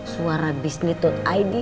suara bisnis itu id